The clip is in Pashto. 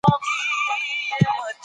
ليکوالان بايد د ټولني په ژبه ليکل وکړي.